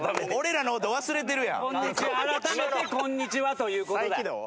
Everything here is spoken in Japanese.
あらためてこんにちはということだ。